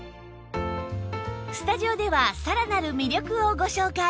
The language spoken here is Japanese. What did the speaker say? スタジオではさらなる魅力をご紹介